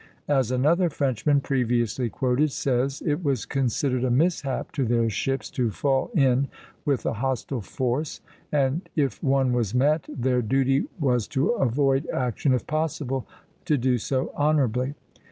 As another Frenchman, previously quoted, says, it was considered a mishap to their ships to fall in with a hostile force, and, if one was met, their duty was to avoid action if possible to do so honorably.